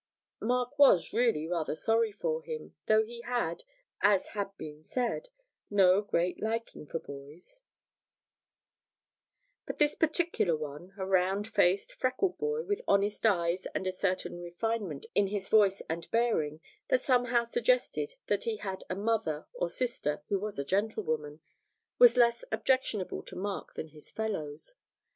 Mark was really rather sorry for him, though he had, as has been said, no great liking for boys; but this particular one, a round faced, freckled boy, with honest eyes and a certain refinement in his voice and bearing that somehow suggested that he had a mother or sister who was a gentlewoman, was less objectionable to Mark than his fellows.